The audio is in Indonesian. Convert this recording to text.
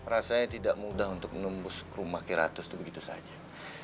rasanya tidak mudah untuk menembus rumah kiratus itu begitu saja